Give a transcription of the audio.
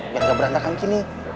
biar ga berantakan gini